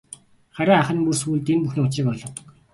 Харин ах нь бүр сүүлд энэ бүхний учрыг ойлгодог.